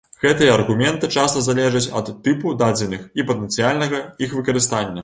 Гэтыя аргументы часта залежаць ад тыпу дадзеных і патэнцыяльнага іх выкарыстання.